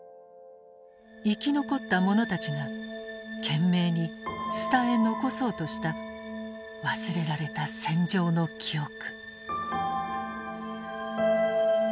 生き残った者たちが懸命に伝え残そうとした忘れられた戦場の記憶。